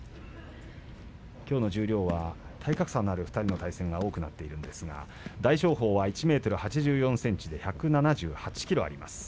きょうの十両は体格差のある２人の対戦が多くなっているんですが大翔鵬は１ｍ８４ｃｍ１７８ｋｇあります。